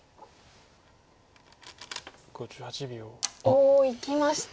おおいきました。